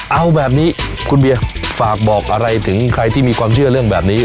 เอาแบบนี้คุณเบียฝากบอกอะไรถึงใครที่มีความเชื่อเรื่องแบบนี้